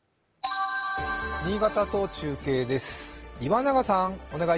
新潟と中継です。